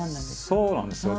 そうなんですよ。